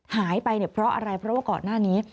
หายไปเนี่ยเพราะอะไรเพราะว่าก่อนหน้านี้